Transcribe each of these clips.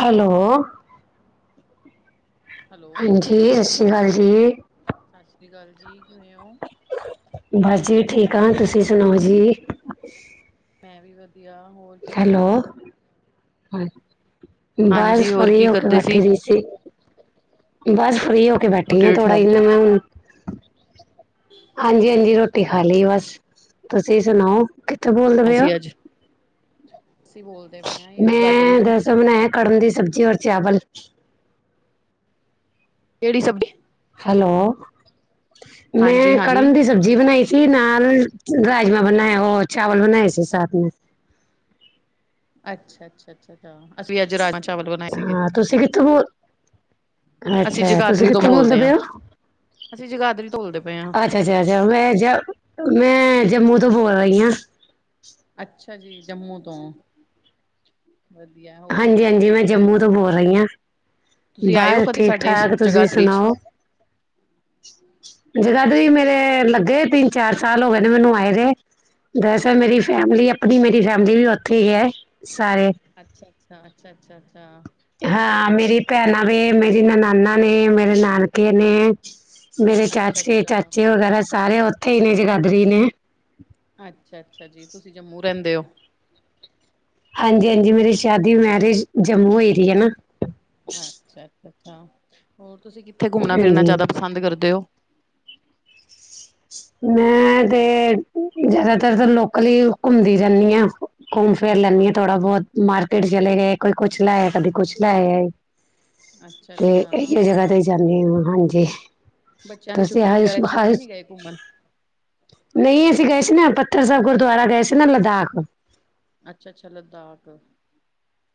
Hello, hello, ਹਾਂਜੀ। ਜੀ, ਸਤਿ ਸ਼੍ਰੀ ਅਕਾਲ ਜੀ। ਸਤਿ ਸ਼੍ਰੀ ਅਕਾਲ ਜੀ, ਕਿਵੇਂ ਹੋ? ਬਸ ਜੀ ਠੀਕ ਆਂ, ਤੁਸੀਂ ਸੁਣਾਓ ਜੀ? ਮੈਂ ਵੀ ਵਧੀਆ ਹੋਰ ਕੀ ਕਰ ਰੇ ਸੀ? ਹਾਂ, ਹਾਂਜੀ, ਬਸ ਹੋਰ ਕੀ ਫਰੀ ਹੋ ਕੇ ਕਰਦੇ ਬੈਠੀ ਸੀ। ਬਸ ਫਰੀ ਹੋ ਕੇ ਬੈਠੀ ਰੋਟੀ ਹ ਰੁਟੀ ਥੋੜਾ ਖਾ ਲਈ? ਇਨਾ ਮੈਂ ਹੁਣ! ਹਾਂਜੀ, ਹਾਂਜੀ ਰੋਟੀ ਖਾ ਅੱਛਾ, ਲਈ ਬਸ ਤੁਸੀਂ ਸੁਣਾਓ, ਕਿੱਥੇ ਬੋਲਦੇ ਪਏ ਹੋ? ਅਸੀਂ ਅੱਜ ਅਸੀਂ ਬੋਲਦੇ ਪਏ ਹਾਂ ਯਗਾਦਰੀ ਮੈਂ ਤੋਂ। ਦਰਸਲ ਬਣਾਇਆ ਕੱਟਲ ਦੀ ਸਬਜ਼ੀ ਔਰ ਚਾਵਲ। ਕੇਹੜੀ ਸਬਜ਼ੀ? ਹੈਲੋ, ਹਾਂਜੀ ਮੈਂ ਹਾਂਜੀ। ਕੜਮ ਦੀ ਸਬਜ਼ੀ ਬਣਾਈ ਸੀ ਨਾਲ ਰਾਜਮਾਂ ਬਣਾਏ ਉਹ ਚਾਵਲ ਬਣਾਏ ਸੀ ਸਾਥ ਮੇ। ਅੱਛਾ, ਅੱਛਾ, ਅੱਛਾ, ਅਛਾ, ਅਸੀਂ ਅੱਜ ਰਾਜਮਾ ਚਾਵਲ ਬਣਾਏ ਸੀਗੇ। ਹਾਂ ਤੁਸੀਂ ਕਿੱਥੋਂ ਬੋਲ ਅਸੀਂ ਅੱਛਾ ਤੁਸੀਂ ਜਗਾਦਰੀ ਤੋਂ ਕਿੱਥੋਂ ਬੋਲਦੇ ਹਾਂ, ਪਏ ਹੋ ਅਸੀਂ ਜਗਾਦਰੀ ਬੋਲਦੇ ਪਏ ਹਾਂ। ਅੱਛਾ ਅੱਛਾ ਅੱਛਾ ਮੈਂ ਜ, ਮੈਂ ਜੰਮੂ ਤੋਂ ਬੋਲ ਰਹੀ ਹਾਂ। ਅੱਛਾ ਜੀ, ਜੰਮੂ ਤੋਂ? ਵਧੀਆ, ਹੋਰ ਹਾਂਜੀ-ਹਾਂਜੀ, ਮੈਂ ਜੰਮੂ ਤੋਂ ਬੋਲ ਰਹੀ ਹਾਂ। ਤੁਸੀਂ ਆਏ ਹੋ ਬਸ ਕਦੀ ਸਾਡੇ ਠੀਕ-ਠਾਕ, ਤੁਸੀਂ ਜਗਾਦਰੀ ਚ? ਸੁਣਾਓ? ਜਗਾਦਰੀ ਮੇਰੇ ਲੱਗੇ ਤਿੰਨ ਚਾਰ ਸਾਲ ਹੋ ਗਏ ਨੇ ਮੈਨੂੰ ਆਏ ਦੇ। ਦਰਸਲ ਮੇਰੀ ਅੱਛਾ ਫੈਮਿਲੀ ਆਪਣੀ ਮੇਰੀ ਫੈਮਲੀ ਵੀ ਉੱਥੇ ਹੀ ਐ, ਸਾਰੇ। ਅੱਛਾ, ਅੱਛਾ, ਅੱਛਾ, ਅੱਛਾ, ਅੱਛਾ। ਹਾਂ ਮੇਰੀ ਭੈਣਾਂ ਵੇ, ਮੇਰੀ ਨਨਾਨਾ ਨੇ, ਮੇਰੇ ਨਾਨਕੇ ਨੇ। ਮੇਰੇ ਅੱਛਾ ਚਾਚਕੇ ਅੱਛਾ। ਚਾਚੇ ਵਗੈਰਾ ਸਾਰੇ ਉੱਥੇ ਹੀ ਨੇ ਜਗਾਦਰੀ ਨੇ। ਅੱਛਾ-ਅੱਛਾ ਜੀ, ਤੁਸੀਂ ਜੰਮੂ ਰਹਿੰਦੇ ਹੋ? ਹਾਂਜੀ-ਹਾਂਜੀ, ਮੇਰੀ ਸ਼ਾਦੀ ਮੈਰਿਜ ਜੰਮੂ ਹੋਇ ਦੀ ਹਨਾਂ। ਅੱਛਾ-ਅੱਛਾ-ਅੱਛਾ ਹੋਰ ਤੁਸੀਂ ਕਿੱਥੇ ਘੁੰਮਣਾ ਫਿਰਨਾ ਹਾਂਜੀ ਜਾਦਾ ਪਸੰਦ ਕਰਦੇ ਔ? ਮੈਂ ਤੇ ਜਿਆਦਾਤਰ ਤਾਂ ਲੋਕਲ ਹੀ ਘੁੰਮਦੀ ਜਾਂਦੀ ਆ। ਘੁੰਮ ਫਿਰ ਲੈਂਨੀ ਹਾਂ ਆ ਥੋੜਾ ਬਹੁਤ, ਮਾਰਕੀਟ ਚਲੇ ਗਏ, ਕੋਈ ਕੁਛ ਲੈ ਆਏ ਕਦੀ ਕੁਛ ਲੈ ਆਏ। ਤੇ ਅੱਛਾ-ਅੱਛਾ ਇਹੀ ਜਗ੍ਹਾ ਤੇ ਜਾਂਦੇ ਹਾਂ ਹਾਂਜੀ। ਤੁਸੀੇ ਆਏ ਸੀ ਬਾਹਸ- ਗੇ ਘੁੰਮਣ- ਨਹੀਂ ਅਸੀਂ ਗਏ ਸੀ ਨਾ ਪੱਥਰ ਸਾਹਿਬ ਗੁਰਦੁਆਰਾ ਗਏ ਸੀ ਨਾ ਲਦਾਖ। ਅੱਛਾ ਅੱਛਾ ਲਦਾਕ-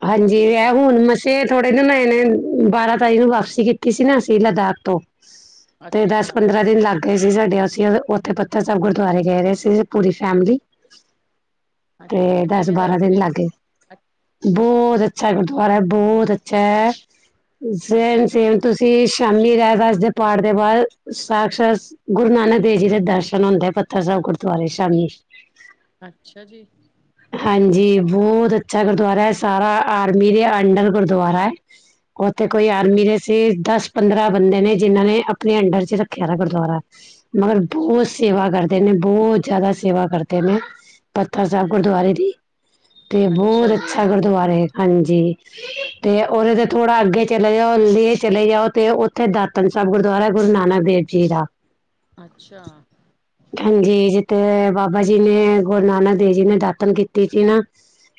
ਹਾਂਜੀ ਐ ਹੁਣ ਮਛ ਤੇ ਥੋੜੇ ਦਿਨ ਨੇ ਬਾਰਾਂ ਤਾਰੀਕ ਨੂੰ ਵਾਪਸੀ ਕੀਤੀ ਸੀ ਨਾ ਅਸੀਂ ਲਦਾਖ ਤੋਂ। ਤੇ ਅੱਛਾ ਦਸ ਪੰਦਰਾਂ ਦਿਨ ਲੱਗ ਗਏ ਸੀ। ਸਾਡੇ ਅਸੀ ਉਥੇ ਪੱਥਰ ਸਾਹਿਬ ਗੁਰਦੁਆਰੇ ਗਏ ਰਹੇ ਸੀ ਪੂਰੀ ਫੈਮਿਲੀ। ਤੇ ਅੱਛਾ-ਅੱਛਾ ਦਸ ਕਿਵੇਂ ਦਾ ਬਾਰਾਂ ਦਿਨ ਉੱਥੇ ਲੱਗ ਗਏ। ਬਹੁਤ ਅੱਛਾ ਗੁਰਦੁਆਰਾ ਬਹੁਤ ਅੱਛਾ ਐ। ਸੇਮ ਸੇਮ ਅੱਛਾ-ਅੱਛਾ ਤੁਸੀਂ- ਤੇ ਸ਼ਾਮੀ ਰਹਿਰਾਸ ਦੇ ਪਾਠ ਦੇ ਬਾਅਦ ਸ਼ਾਖਸ਼ਾਤ ਗੁਰੂ ਨਾਨਕ ਦੇਵ ਜੀ ਦੇ ਦਰਸ਼ਨ ਹੁੰਦੇ ਪੱਥਰ ਸਾਬ ਗੁਰਦੁਆਰੇ ਸ਼ਾਮੀ। ਅੱਛਾ ਜੀ ਹਾਂਜੀ ਹਾਂ- ਬਹੁਤ ਅੱਛਾ ਗੁਰਦੁਆਰਾ ਐ ਸਾਰਾ ਆਰਮੀ ਦੇ ਅੰਡਰ ਗੁਰਦੁਆਰਾ ਐ ਉੱਥੇ ਕੋਈ ਅੱਛਾ-ਅੱਛਾ ਆਰਮੀ ਦੇ ਤੇ ਦਸ-ਪੰਦਰਾਂ ਬੰਦੇ ਨੇ ਜਿਨਾਂ ਨੇ ਆਪਣੇ ਅੰਡਰ ਚ ਰੱਖਿਆ ਗੁਰਦੁਆਰਾ। ਮਗਰ ਅੱਛਾ ਬਹੁਤ ਸੇਵਾ ਕਰਦੇ ਨੇ, ਬਹੁਤ ਜ਼ਿਆਦਾ ਸੇਵਾ ਕਰਦੇ ਨੇ। ਪੱਥਰ ਸਾਹਿਬ ਗੁਰਦੁਆਰੇ ਦੀ, ਤੇ ਅੱਛਾ ਬਹੁਤ ਜੀ ਅੱਛਾ ਗੁਰਦੁਆਰੇ ਹਾਂਜੀ। ਤੇ ਅੱਛਾ ਉਹਦੇ ਤੇ- ਥੋੜਾ ਅੱਗੇ ਚਲੇ ਜਾਓ ਚਲੇ ਜਾਓ ਤੇ ਉੱਥੇ ਦਾਤਨ ਸਾਹਿਬ ਗੁਰਦੁਆਰਾ ਗੁਰੂ ਨਾਨਕ ਦੇਵ ਜੀ ਦਾ। ਅੱਛਾ। ਹਾਂਜੀ ਜੀ ਤੇ ਬਾਬਾ ਜੀ ਨੇ ਗੁਰੂ ਨਾਨਕ ਦੇਵ ਜੀ ਨੇ ਦਾਤਨ ਕੀਤੀ ਸੀ ਨਾ।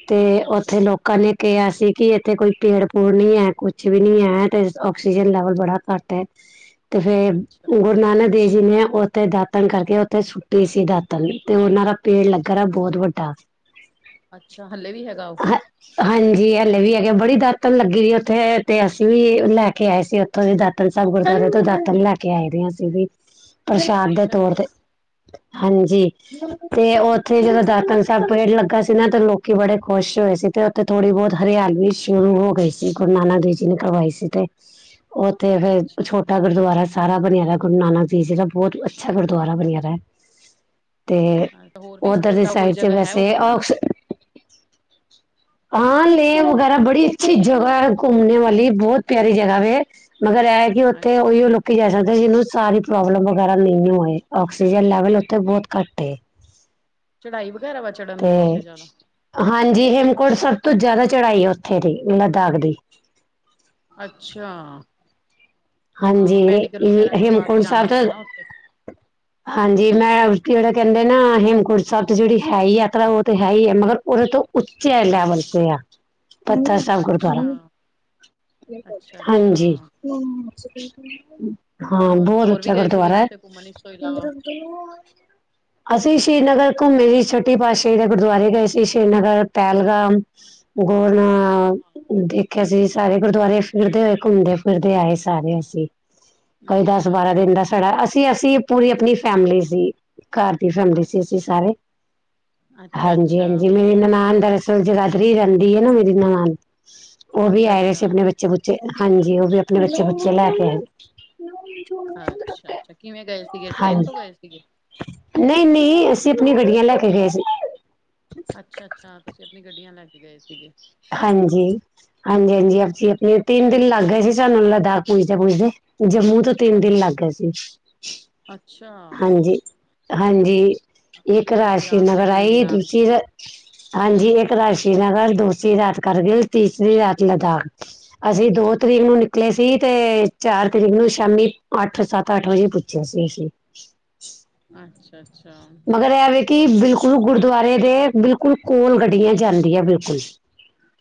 ਤੇ ਅੱਛਾ-ਅੱਛਾ ਓਥੇ ਲੋਕ ਕੇ ਕਿਹਾ ਸੀ ਕਿ ਇੱਥੇ ਕੋਈ ਪੇੜ ਪੂੜ ਨਹੀਂ ਹੈ ਕੁਛ ਵੀ ਨਹੀਂ ਹੈ, ਤੇ ਆਕਸੀਜਨ ਲੈਵਲ ਬੜਾ ਘੱਟ ਐ। ਤੇ ਫੇਰ ਅੱਛਾ ਅੱਛਾ ਗੁਰੂ ਨਾਨਕ ਦੇਵ ਜੀ ਨੇ ਉੱਥੇ ਦਾਤਨ ਕਰ ਉੱਥੇ ਸੁੱਟੀ ਸੀ ਦਾਤਨ ਤੇ ਉਹਨਾਂ ਦਾ ਪੇੜ ਲੱਗ ਰਿਹਾ ਬਹੁਤ ਵੱਡਾ। ਅੱਛਾ ਹਲੇੇ ਵੀ ਹੈਗਾ ਉਹ? ਹ ਹਾਂਜੀ, ਹਲੇ ਵੀ ਹੈਗੇ ਏ ਬੜੀ ਦਾਤਨ ਲੱਗੀ ਉੱਥੇ ਤੇ ਅਸੀਂ ਵੀ ਲੈ ਕੇ ਆਏ ਸੀ ਉੇ- ਓਥੋਂ ਦੀ ਦਾਤਨ ਸੈਬ ਗੁਰਦੁਆਰੇ ਤੋਂ ਦਾਤਨ ਲੈ ਕੇ ਆਏ ਦੇਆਂ ਅਸੀ ਵੀ, ਪ੍ਰਸ਼ਾਦ ਦੇ ਅੱਛਾ ਤੌਰ ਜੀ ਤੇ। ਹਾਂਜੀ ਤੇ ਉੱਥੇ ਜਦੋਂ ਦਾਤਨ ਤਾਂ ਪੇੜ ਲੱਗਾ ਸੀ ਨਾ ਤੇ ਲੋਕੀ ਬੜੇ ਖੁਸ਼ ਹੋਏ ਸੀ ਤੇ ਓਥੇ ਥੋੜ੍ਹੀ ਬੋਹਤ ਹਰਿਆਲੀ ਸ਼ੁਰੂ ਹੋ ਗਈ ਸੀ। ਜੀ ਨਾਨਕ ਦੇਵ ਜੀ ਨੇ ਕਰਵਾਈ ਸੀ ਤੇ ਓਥੇ ਅੱਛਾ ਫੇਰ ਛੋਟਾ ਗੁਰਦੁਆਰਾ ਸਾਰਾ ਬਣੇਆ ਦਾ ਗੁਰੂ ਨਾਨਕ ਦੇਵ ਜੀ ਦਾ ਬੋਹਤ ਅੱਛਾ ਗੁਰਦੁਆਰਾ ਬਣੇਆ ਦਾ ਏ। ਤੇ ਹਾਂ ਹੋਰ ਵੀ ਇਸ ਉਧਰ ਦੀ ਤੋਂ ਕੋਈ ਸਾਈਡ ਚ ਜਗ੍ਹਾ ਹੈ ਵੈਸੇ ਉੱਥੇ ਔਸ ਹਾਂ ਲੇਹ ਹਾਂਜੀ ਵਗੈਰਾ ਬੜੀ ਅੱਛੀ ਜਗਾ ਹੈ ਘੁੰਮਣੇ ਵਾਲੀ ਬਹੁਤ ਪਿਆਰੀ ਜਗ੍ਹਾ ਵੇ ਮਗਰ ਇਹ ਕਿ ਉੱਥੇ ਉਹੀ ਅੱਛਾ ਲੋ ਤੁਸੀਂ ਵੀ ਜਾ ਸਕਦੇ ਜਿਹਨੂੰ ਸਾਰੀ ਪ੍ਰੋਬਲਮ ਵਗੈਰਾ ਨਹੀਂ ਹੋਏ ਆਕਸੀਜਨ ਲੈਵਲ ਉੱਥੇ ਬਹੁਤ ਘੱਟ ਏ। ਚੜ੍ਹਾਈ ਵਗੈਰਾ ਵ- ਤੇ, ਹਾਂਜੀ। ਹੇਮਕੋਟ ਸਭ ਤੋਂ ਜ਼ਿਆਦਾ ਚੜਾਈ ਹੈ, ਉੱਥੇ ਦੀ, ਲਦਾਖ ਦੀ। ਅੱਛਾ! ਹਾਂਜੀ ਹਾਂ, ਮੈਡੀਕਲ ਵਗੈਰਾ ਇਹ ਕਰਵਾ ਕੇ, ਹੇਮਕੁੰਟ ਜਾਣਾ ਸਾਹਿਬ ਤਾਂ ਹੋਣਾ ਨਾ ਉੱਥੇ। ਹਾਂਜੀ, ਮੈਂ ਜਿਹੜਾ ਕਹਿੰਦੇ ਨਾ, ਹੇਮਕੁੰਟ ਸਾਹਿਬ ਜਿਹੜੀ ਹੈ, ਯਾਤਰਾ ਉਹ ਤੇ ਹੈ ਹੀ ਹੈ। ਮਗਰ ਉਹਦੇ ਤੋਂ ਉੱਚੇ ਲੈਵਲ ਤ ਆ। ਪਤਾ ਸਾਹਿਬ ਗੁਰਦੁਆਰਾ, ਅੱਛਾ ਅੱਛਾ ਅੱਛਾ ਹਾਂਜੀ। ਹਾਂ, ਹੋਰ ਬਹੁਤ ਹੋਰ ਵੀ ਉੱਚਾ ਗਏ ਸੀਗੇ ਗੁਰਦੁਆਰਾ ਹੈ। ਕਿਤੇ ਘੁੰਮਣ ਇਸ ਤੋਂ ਇਲਾਵਾ ਨ [inaudible] ਅਸੀਂ ਸ਼੍ਰੀਨਗਰ ਘੁੰਮੇ ਸੀ। ਛੋਟੀ ਪਾਤਸ਼ਾਹੀ ਦੇ ਗੁਰਦੁਆਰੇ ਗਏ ਸੀ। ਸ਼੍ਰੀਨਗਰ, ਪਹਿਲਗਾਮ ਗਰ ਅੱਛਾ ਨਾ ਦੇਖ [unintelligible] ਅਸੀਂ ਸਾਰੇ ਗੁਰਦੁਆਰੇ ਫਿਰਦੇ ਹੋਏ ਘੁੰਮਦੇ ਫਿਰਦੇ ਆਏ ਸਾਰੇ ਅਸੀਂ। ਕੋਈ ਦਸ, ਅੱਛਾ ਬਾਰਾਂ ਅੱਛਾ ਦਿਨ ਦਾ ਸੜਾ, ਅਸੀਂ ਅਸੀਂ ਪੂਰੀ ਆਪਣੀ ਫੈਮਲੀ ਸੀ। ਘਰ ਦੀ ਫੈਮਲੀ ਸੀ ਅਸੀਂ ਅੱਛਾ ਸਾਰੇ, ਅੱਛਾ ਅੱਛਾ ਅੱਛਾ ਹਾਂਜੀ ਹਾਂਜੀ ਮੇਰੀ ਨਨਾਨ ਦਾ ਉਹ ਜਗਾਧਰੀ ਰਹਿੰਦੀ ਹੈ ਨਾ ਮੇਰੀ ਨਨਾਣ, ਉਹ ਵੀ ਆਏ ਸੀ। ਅੱਛਾ ਆਪਣੇ ਬੱਚੇ ਬੱਚੇ, ਬੁੱਚੇ ਹਾਂਜੀ ਉਹ ਵੀ ਆਪਣੇ ਬੱਚੇ, ਬੁੱਚੇ ਲੈ ਕੇ ਹਨ। ਅੱਛਾ ਅੱਛਾ ਕਿਵੇਂ ਗਏ ਸੀਗੇ? ਟ੍ਰੇਨ ਤੋਂ ਗਏ ਸੀਗੇ? ਨਹੀਂ ਨਹੀਂ ਅਸੀਂ, ਆਪਣੀ ਗੱਡੀਆਂ ਲੈ ਕੇ ਗਏ ਸੀ। ਅੱਛਾ ਅੱਛਾ, ਤੁਸੀਂ ਆਪਣੀ ਗੱਡੀਆਂ ਲੈ ਕੇ ਗਏ ਸੀਗੇ। ਹਾਂਜੀ, ਹਾਂਜੀ ਹਾਂਜੀ ਆਸੀ ਆਪਣੀ ਤਿੰਨ ਦਿਨ ਲੱਗ ਗਏ ਸੀ। ਸਾਨੂੰ ਲਦਾਖ ਪੁੱਜਦੇ- ਪੁੱਜਦੇ ਜੰਮੂ ਤੋਂ ਤਿਨ ਦਿਨ ਲਗ ਅੱਛਾ ਗਏ ਸੀ। ਅੱਛਾ ਹਾਂਜੀ, ਹਾਂਜੀ। ਇੱਕ ਤਿੰਨ ਦਿਨ ਰਾਸ਼ੀ ਜਾਣ ਤੇ ਨਗਰ ਤਿੰਨ ਆਈ, ਦਿਨ ਆਉਣ ਤੇ ਦੂਜੀ, ਹਾਂਜੀ ਇੱਕ ਰਾਸ਼ੀ ਹੂੰ। ਨਗਰ ਦੋ ਅਸੀ ਰਾਤ ਕਰਕੇ, ਤੀਸਰੀ ਰਾਤ ਲਦਾਖ ਅਸੀਂ ਦੋ ਤਰੀਕ ਨੂੰ ਨਿਕਲੇ ਸੀ। ਤੇ ਚਾਰ ਤਰੀਕ ਨੂੰ ਸ਼ਾਮੀ ਅੱਠ, ਸੱਤ ਅੱਠ ਵਜੇ ਪੁੱਜ। ਜੈਸੀ ਸੀ ਅੱਛਾ- ਅੱਛਾ, ਮਗਰ ਇਹ ਵੇ ਕਿ ਹੋਰ ਤੁਸੀਂ ਬਿਲਕੁਲ ਗੁਰਦੁਆਰੇ ਦੇ, ਬਿਲਕੁਲ ਕੋਲ ਗੱਡੀਆਂ ਚਲਦੀਆਂ ਬਿਲਕੁਲ।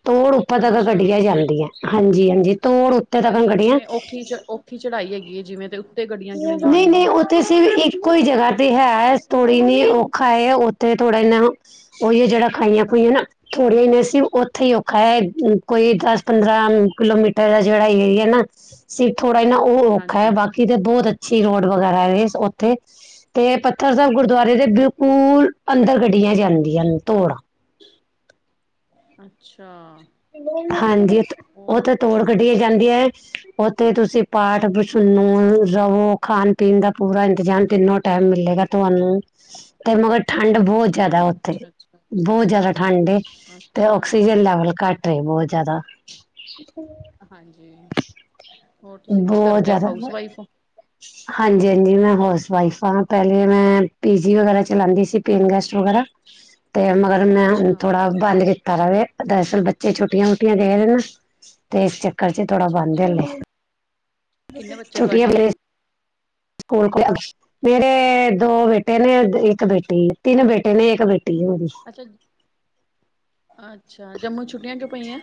ਤੋੜ ਉੱਪਰ ਤੱਕ ਅੱਛਾ ਕੱਢੀਆਂ ਜਾਂਦੀਆਂ, ਹਾਂਜੀ ਹਾਂਜੀ ਤੋੜ ਉੱਤੇ ਤੱਕ ਕੱਢੀਆਂ ਓਕੇ [unintelligible] ਉੱਥੀ ਚੜ੍ਹਾਈ ਹੈਗੀ ਹੈ। ਜਿਵੇਂ ਉ ਨਹੀਂ, ਨਹੀ ਉ ਤੇ ਅਸੀ ਵੀ ਇੱਕੋ ਹੀ ਜਗ੍ਹਾ ਤੇ ਹੈ। ਥੋੜ੍ਹੀ ਜ, ਔਖਾ ਹੈ। ਉੱਥੇ ਥੋੜ੍ਹਾ ਜ ਉਹੀ ਜਿਹੜਾ ਖਾਈਆਂ, ਖੁਈਆਂ ਨਾ ਥੋੜ੍ਹੇ ਨੇ ਸੀ, ਉੱਥੇ ਹੀ ਔਖਾ ਹੈ। ਕੋਈ ਦਸ ਪੰਦਰਾਂ ਕਿਲੋਮੀਟਰ ਦਾ ਜਿਹੜਾ ਏਰੀਆ ਨਾ ਸੀਟ ਥੋੜਾ ਜ ਨਾ ਉਹ ਔਖਾ ਹੈ। ਹਾਂਜੀ ਬਾਕੀ ਤੇ ਬਹੁਤ ਅੱਛੀ ਰੋਡ ਵਗੈਰਾ ਹੈ, ਉੱਥੇ ਤੇ ਪੱਥਰ ਸਾਹਿਬ ਗੁਰਦੁਆਰੇ ਦੇ ਬਿਲਕੁਲ, ਅੰਦਰ ਗੱਡੀਆਂ ਜਾਂਦੀਆਂ ਤੋੜ ਅੱਛਾ! ਹਾਂਜੀ, ਉਹ ਹੋਰ ਤੇ ਤੋੜ ਗੱਡੀਆਂ ਜਾਂਦੀਆਂ। ਉੱਥੇ ਤੁਸੀਂ ਪਾਠ ਸੁਨੋ, ਰਵੋ, ਖਾਨ ਪੀਣ ਦਾ ਪੂਰਾ ਇੰਤਜ਼ਾਮ ਤਿੰਨੋ ਟਾਈਮ ਮਿਲੇਗਾ ਤੁਹਾਨੂੰ, ਤੇ ਮਗਰ ਠੰਡ ਬਹੁਤ ਜ਼ਿਆਦਾ ਉੱਥੇ, ਅੱਛਾ-ਅੱਛਾ ਬਹੁਤ ਜਿਆਦਾ ਠੰਡ ਏ, ਤੇ ਅੱਛਾ ਅੱਛਾ ਆਕਸੀਜਨ ਲੈਵਲ ਘੱਟ ਤੇ, ਬਹੁਤ ਜਿਆਦਾ ਹਾਂਜੀ, ਹੋਰ ਤੁਸੀਂ ਕੀ ਕਰਦੇ ਹੋ? ਹਾਊਸ ਵਾਈਫ ਹੋ। ਹ [inaudible] ਹਾਂਜੀ--ਹਾਂਜੀ ਮੈਂ ਹਾਊਸ ਵਾਇਫ ਹਾਂ। ਪਹਿਲੇ ਮੈਂ ਪੀਜੀ ਵਗੈਰਾ ਚਲਾਉਂਦੀ ਸੀ। ਪੇਨ ਗਸਟ ਵਗੈਰਾ ਤੇ ਮਗਰ ਮੈਂ ਅੱਛਾ ਥੋੜਾ, ਬੰਦ ਕੀਤਾ ਵੇ, ਦਰਅਸਲ ਬੱਚੇ ਛੋਟੀਆਂ ਛੁੱਟੀਆਂ ਗਏ ਨਾ ਤੇ ਇਸ ਚੱਕਰ 'ਚ ਥੋੜਾ ਬੰਦ ਏ ਅੱਛਾ-ਅੱਛਾ ਹਲੇ। ਕਿੰਨੇ ਬੱਚੇ ਛੁੱਟੀਆਂ ਤੁਹਾਡੇ ਬਲੇ ਕੋਲ ਕੋ [unintelligible] ਮੇਰੇ ਦੋ ਬੇਟੇ ਨੇ, ਇੱਕ ਬੇਟੀ, ਤਿੰਨ ਬੇਟੇ ਨੇ, ਇੱਕ ਬੇਟੀ, ਮੇਰੀ ਅੱਛਾ, ਅੱਛਾ ਜੰਮੂ ਛੁੱਟੀਆਂ ਚੋਂ ਕਦੋ ਪਈਆਂ?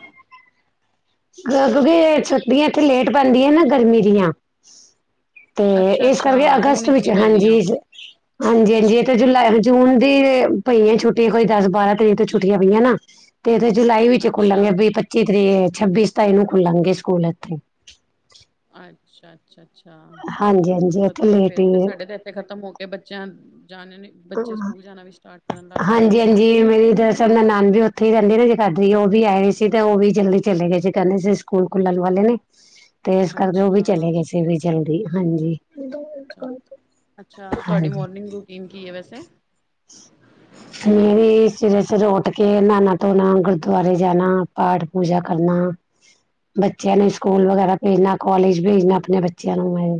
ਕਿਉਂਕਿ, ਛੁੱਟੀਆਂ ਇੱਥੇ ਲੇਟ ਪੈਂਦੀਆਂ ਨਾ, ਗਰਮੀ ਦੀਆਂ। ਤੇ ਇਸ ਅੱਛਾ-ਅੱਛਾ ਕਰਕੇ ਜੂਨ ਅਗਸਤ ਵਿਚ ਵਿੱਚ, ਨੀ ਹਾਂਜੀ ਪੈਂਦੀਆਂ ਹਾਂਜੀ, ਹਾਂਜੀ ਇਥੇ ਜੁਲਾਈ ਜੂਨ ਦੀ ਪਈ ਹੈ ਛੁੱਟੀ ਕੋਈ ਦਸ ਬਾਰਾਂ ਤਰੀਕ ਤੋਂ ਛੁੱਟੀਆਂ ਪਈਆਂ ਨਾ ਤੇ ਜੁਲਾਈ ਵਿੱਚ ਅੱਛਾ ਖੁੱਲਣਗੇ। ਵੀ ਪੱਚੀ ਤਰੀਕ ਛੱਬੀ ਸਤਾਈ ਨੂੰ ਖੁੱਲਣਗੇ। ਸਕੂਲ ਇੱਥੇ ਅੱਛਾ, ਅੱਛਾ ਅੱਛਾ ਹਾਂਜੀ ਹਾਂਜੀ ਇੱਥੇ ਵਧੀਆ ਲੇਟ ਫੇਰ ਤੇ ਹੀ ਸਾਡੇ ਤਾਂ ਇਥੇ ਖਤਮ ਹੋ। ਕਿ ਬੱਚਿਆਂ ਜਾਣ ਨੇ ਬੱਚੇ ਸਕੂਲ ਜਾਣਾ ਵੀ ਸਟਾਰਟ ਕਰਨ ਲੱਗ ਗਏ ਹਾਂਜੀ ਹੈਗੇ ਨੇ ਹਾਂਜੀ ਮੇਰੀ ਦਰਸਲ ਨਾਣਾਨ ਵੀ ਉੱਥੇ ਹੀ ਰਹਿੰਦੇ ਨਾ ਜੇ ਕਰਦੀ। ਉਹ ਵੀ ਆਏ ਸੀ, ਤੇ ਉਹ ਵੀ ਜਲਦੀ ਚਲੇ ਗਏ ਸੀੇ ਕਹਿੰਦੇ ਸੀ। ਸਕੂਲ ਖੁਲਣ ਵਾਲੇ ਨੇ ਤੇ ਇਸ ਕਰਕੇ ਉਹ ਵੀ ਅੱਛਾ ਚਲੇ ਗਏ ਸੀ। ਵੀ ਜਲਦੀ ਹਾਂਜੀ ਅੱਛਾ ਅੱਛਾ ਤੁਹਾਡੀ ਹਾਂਜੀ ਮੋਰਨਿੰਗ ਰੂਟੀਨ ਕੀ ਹੈ ਵੈਸੇ? ਸਵੇਰੇ ਸਮੇਂ ਸਿਰ ਉੱਠ ਕੇ ਨਹਾਣਾ ਧੋਣਾ ਗੁਰਦੁਆਰੇ ਜਾਣਾ ਪਾਠ ਪੂਜਾ ਕਰਨਾ ਬੱਚਿਆਂ ਨੂੰ ਅੱਛਾ ਸਕੂਲ ਵਗੈਰਾ ਭੇਜਣਾ। ਕੋਲਜ ਭੇਜਣਾ ਆਪਣੇ ਬੱਚਿਆਂ ਨੂੰ ਮੈਂ।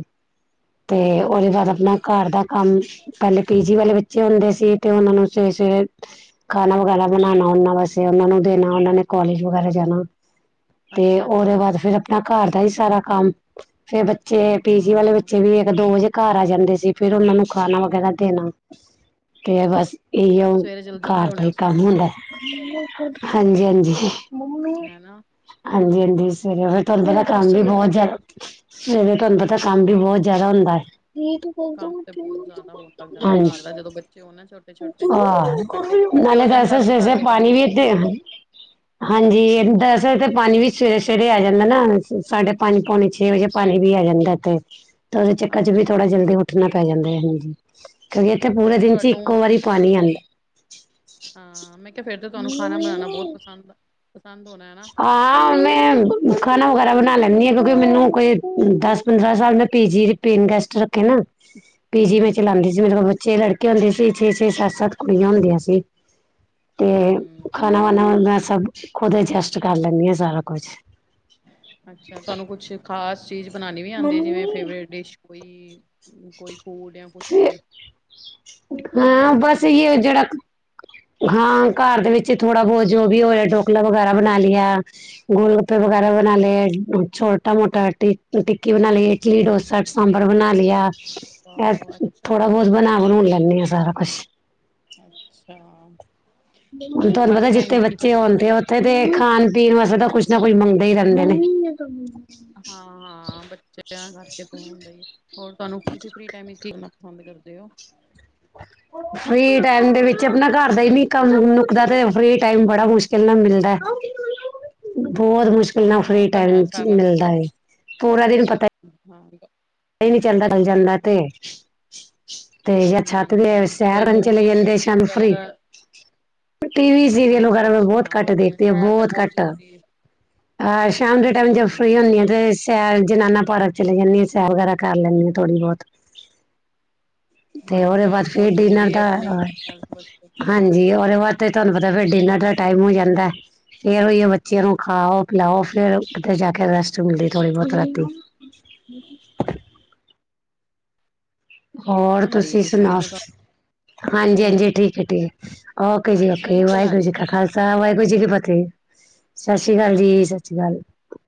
ਤੇ ਅੱਛਾ ਉਹਦੇ ਬਾਅਦ ਅੱਛਾ ਆਪਣਾ ਘਰ ਦਾ ਕੰਮ ਪਹਿਲੇ ਪੀਜੀ ਵਾਲੇ ਬੱਚੇ ਹੁੰਦੇ ਸੀ। ਤੇ ਉਹਨਾਂ ਨੂੰ ਸਵੇਰੇ ਸਵੇਰੇ ਖਾਣਾ ਵਗੈਰਾ ਬਣਾਉਣਾ। ਉਹਨਾ ਵਾਸਤੇ ਉਹਨਾਂ ਨੂੰ ਦੇਣਾ ਉਹਨਾਂ ਨੇ ਕੋਲਜ ਵਗੈਰਾ ਜਾਣਾ। ਤੇ ਅੱਛਾ ਉਹਦੇ ਅੱਛਾ ਬਾਅਦ ਫਿਰ ਆਪਣਾ ਘਰ ਦਾ ਹੀ ਸਾਰਾ ਕੰਮ ਫੇਰ ਬੱਚੇ ਪੀਜੀ ਵਾਲੇ ਹਾਂ ਬੱਚੇ ਵੀ ਇੱਕ ਦੋ ਵਜੇ ਘਰ ਆ ਜਾਂਦੇ ਸੀ। ਫਿਰ ਉਹਨਾਂ ਨੂੰ ਖਾਣਾ ਵਗੈਰਾ ਦੇਣਾ ਤੇ ਬਸ ਇਹ ਆ ਸਵੇਰੇ ਜਲਦੀ ਘਰ ਉਠਦੇ ਦਾ ਹੋਣੇ ਹੀ ਤੁਸੀਂ ਕੰਮ ਬਹੁਤ ਹੁੰਦਾ ਜਲਦੀ ਹੈ। ਹਾਂਜੀ ਹਾਂਜੀ ਹਨਾ ਹਾਂਜੀ ਹਾਂਜੀ ਸਵੇਰੇ ਤੁਰ ਪਹਿਲਾ ਕੰਮ ਵੀ ਬਹੁਤ ਜਾ ਸਵੇਰੇ ਤੁਹਾਨੂੰ ਪਤਾ ਕੰਮ ਵੀ ਬਹੁਤ ਹਾਂ ਜਿਆਦਾ ਹੋਰ ਹੁੰਦਾ ਹੈ ਕੰਮ ਤੇ ਤੇ ਉਹਨਾਂ ਹਾਂ ਨਾ ਤਾਂ ਤਦ ਵੀ ਸਵੇਰੇ ਘਰ ਸਵੇਰੇ ਦੇ ਕੰਮ ਪਾਣੀ ਨੀ ਵੀ ਖਤਮ ਹੁੰਦੇ ਇ ਹਾਂਜੀ ਇਥੇ ਪਾਣੀ ਵੀ ਸਵੇਰੇ ਸਵੇਰੇ ਆ ਜਾਂਦਾ ਨਾ ਸਾਢੇ ਪੰਜ ਪੌਣੇ ਛੇ ਵਜੇ ਪਾਣੀ ਵੀ ਆ ਜਾਂਦਾ ਤੇ ਤੇ ਉਹਦੇ ਚੱਕਰ ਚ ਵੀ ਅੱਛਾ ਥੋੜਾ ਅੱਛਾ ਜਲਦੀ ਉੱਠਣਾ ਪੈ ਜਾਂਦਾ ਹੈ। ਹਾਂਜੀ ਕਿਉਂਕਿ ਇੱਥੇ ਪੂਰੇ ਫੇਰ ਤੇ ਦਿਨ ਚ ਇੱਕੋ ਤੁਹਾਨੂੰ ਵਾਰੀ ਪਾਣੀ ਆਉਂਦਾ ਹਾਂ ਮੈਂ ਕਿਹਾ ਫਿਰ ਤਾਂ ਤੁਹਾਨੂੰ ਖਾਣਾ ਬਣਾਉਣਾ ਬਹੁਤ ਪਸੰਦ ਆ ਪਸੰਦ ਹੋਣਾ ਹੈਨਾ ਹਾਂ ਮੈਂ ਖਾਣਾ ਵਗੈਰਾ ਬਣਾ ਲੈਂਦੀ ਹਾਂ। ਕਿਉਂਕਿ ਮੈਨੂੰ ਕੋਈ ਦਸ ਪੰਦਰਾਂ ਮੈਂ ਪੀਜੀ ਦੇ ਪੇਨ ਗੈਸਟ ਰੱਖੇ ਨਾ ਪੀਜੀ ਮੈਂ ਹਮ ਚਲਾਉਂਦੀ ਜਿਵੇ ਮਤਬਲ ਬੱਚੇ ਲੜਕੇ ਹੁੰਦੇ ਸੀ ਛੇ- ਛੇ ਸੱਤ-ਸੱਤ ਕੁੜੀਆਂ ਹੁੰਦੀਆਂ ਸੀ। ਤੇ ਹੂੰ ਖਾਣਾ ਵਾਣਾ ਮੈ ਸਭ ਖੁਦ ਐਡਜੈਸਟ ਕਰ ਲੈਣੀ ਸਾਰਾ ਕੁਛ ਅੱਛਾ ਤੁਹਾਨੂੰ ਕੁਛ ਖਾਸ ਚੀਜ਼ ਬਣਾਉਣੀ ਵੀ ਆਉਂਦੀ ਜਿਵੇਂ ਫੇਵਰੇਟ ਡਿਸ਼ ਕੋਈ ਕੋਈ ਫੂਡ ਆ ਕੁਛ ਵੀ, ਕੀ ਐਸੀ ਚੀਜ਼ ਜਿਹੜੀ ਹਾਂ ਘਰ ਦੇ ਵਿੱਚ ਥੋੜਾ ਬਹੁਤ ਜੋ ਵੀ ਹੋ ਰਿਹਾ ਢੋਕਲਾ ਵਗੈਰਾ ਬਣਾ ਲਿਆ ਗੋਲ ਗੱਪੇ ਅੱਛਾ ਵਗੈਰਾ ਬਣਾ ਲਿਆ ਛੋਟਾ ਮੋਟਾ ਟਿੱਕੀ ਬਣਾ ਲਈ, ਇਡਲੀ, ਡੋਸਾ, ਸਾਂਭਰ ਬਣਾ ਲਿਆ। ਵਾਓ ਅੱਛਾ ਥੋੜਾ ਜੀ ਬਹੁਤ ਬਣਾ ਬਣਾਉਣ ਲੈਦੀਆ ਸਾਰਾ ਕੁਛ ਅੱਛਾ ਹੁਣ ਹੋਰ ਤੁਹਾਨੂੰ ਪਤਾ ਖਾਲੀ ਟਾਈਮ ਜਿੱਥੇ ਵਿੱਚ ਕੀ ਬੱਚੇ ਕਰਨਾ ਹੋਣ ਪਸੰਦ ਉੱਥੇ ਕਰਦੇ ਹੋ ਤੇ ਤੁਸੀਂ ਖਾਣ ਪੀਣ ਵਾਸਤੇ ਤਾਂ ਕੁਛ ਜਾਂ ਕੋਈ ਮੰਗਦੇ ਹੀ ਰਹਿੰਦੇ ਨੇ ਹਾਂ, ਹਾਂ ਬੱਚਿਆਂ ਕਰਕੇ ਹੁੰਦਾ ਆ। ਹੋਰ ਤੁਹਾਨੂੰ ਤੁਸੀਂ ਫਰੀ ਟਾਈਮ ਵਿੱਚ ਕੀਣਾ ਪਸੰਦ ਕਰਦੇ ਹੋ। ਫਰੀ ਟਾਈਮ ਦੇ ਵਿੱਚ ਆਪਣਾ ਘਰ ਦਾ ਹੀ ਨੀ ਕੰਮ ਨੁਕਦਾ ਤੇ ਫਰੀ ਟਾਈਮ ਬੜਾ ਮੁਸ਼ਕਿਲ ਨਾਲ ਮਿਲਦਾ ਬੋਤ ਮੁਸ਼ਕਿਲ ਇੰਨਾ ਹਾਂ ਫਰੀ ਉਹ ਤਾਂ ਹੈ ਟਾਈਮ ਚ ਸਾਰਾ ਦਿਨ ਮਿਲਦਾ ਏ, ਪੂਰਾ ਦਿਨ ਪਤਾ ਹਾਂ ਇਹ ਨਹੀ ਚੱਲਦਾ ਚੱਲ ਜਾਂਦਾ ਤੇ। ਤੇ ਯਾ ਛੱਤ ਤੇ ਹਮ ਸੈਰ ਕੋਈ ਕਰਨ ਚਲੇ ਮੂਵੀ ਜਾਂਦੇ ਟੀਵੀ ਸ਼ਾਮੀ ਫਰੀ ਵਗੈਰਾ ਟੀ ਵੀ ਸੀਰੀਅਲ ਵਗੈਰਾ ਮੈਂ ਅੱਛਾ-ਅੱਛਾ ਬਹੁਤ ਘੱਟ ਵਧੀਆ ਦੇਖਦੀ ਆ ਸੈਰ ਤਾਂ ਬੋਤ ਬਹੁਤ ਘੱਟ ਜ਼ਰੂਰੀ ਅ ਸ਼ਾਮ ਦੇ ਹੈ ਟਾਈਮ ਜਦ ਫਰੀ ਹਾਂਜੀ। ਹੁੰਦੀ ਆ ਤੇ ਸੈਰ ਜਨਾਨਾ ਪਾਰਕ ਚਲੇ ਜਾਂਦੀ ਆ, ਸੈਰ ਵਗੈਰਾ ਕਰ ਲੈਨੀ ਆ ਥੋੜ੍ਹੀ ਬੋਤ। ਤੇ ਉਹਦੇ ਹਾਂਜੀ ਇਹ ਬਾਅਦ ਵੀ ਫਿਰ ਬਹੁਤ ਡਿਨਰ ਜ਼ਰੂਰੀ ਹੈ ਦਾ ਆਪਣੀ ਅ ਹੈਲਥ ਵਾਸਤੇ। ਹਾਂਜੀ, ਉਦੇ ਬਾਦ ਤੁਹਾਨੂੰ ਪਤਾ ਫਿਰ ਡਿਨਰ ਦਾ ਟਾਈਮ ਹੋ ਜਾਂਦਾ। ਫਰ ਓਈ ਓ ਬੱਚਿਆਂ ਨੂੰ ਖਾਓ, ਪਿਲਾਓ ਫੇਰ ਕਿਤੇ ਜਾ ਕੇ ਰੈਸਟ ਮਿਲਦੀ ਥੋੜ੍ਹੀ ਬੋਤ ਰਾਤੀ। [inaudible] ਹੋਰ ਆ ਰਹੀ ਤੁਸੀਂ ਕਿਸੇ ਦੀ ਸੁਣਾਓ। ਮੈਂ ਤੁਹਾਨੂੰ ਹਾਂਜੀ-ਹਾਂਜੀ ਠੀਕ ਏ ਠੀਕ ਓਕੇ ਹਾਂਜੀ ਜੀ-ਓਕੇ ਮੈਨੂੰ ਕੋਲ ਆ ਵਾਹਿਗੁਰੂ ਜੀ ਰਹੀ ਕਾ ਖਾਲਸਾ ਵਾਹਿਗੁਰੂ ਜੀ ਕੀ ਫਤਿਹ। ਸਤਿ ਸ਼੍ਰੀ ਅਕਾਲ ਜੀ -ਸਤਿ ਸ਼੍ਰੀ ਅਕਾਲ।